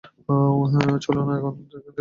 চলুন এখান থেকে বের হই?